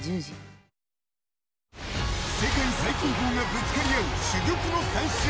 世界最高峰がぶつかり合う珠玉の３試合。